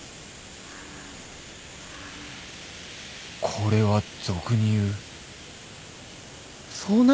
これは俗に言う遭難！？